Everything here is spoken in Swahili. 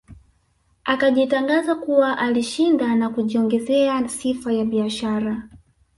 Akajitangaza kuwa alishinda na kujiongezea sifa ya biashara